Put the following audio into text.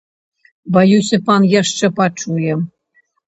Баюся, пан яшчэ пачуе!